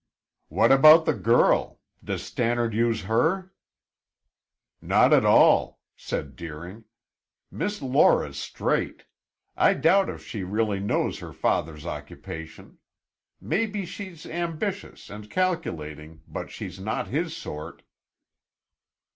"What about the girl? Does Stannard use her?" "Not at all," said Deering. "Miss Laura's straight; I doubt if she really knows her father's occupation. Maybe she's ambitious and calculating, but she's not his sort."